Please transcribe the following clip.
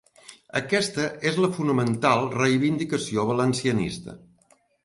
Aquesta és la fonamental reivindicació valencianista.